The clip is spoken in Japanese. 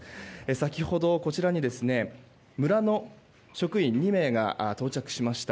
先ほどこちらに村の職員２名が到着しました。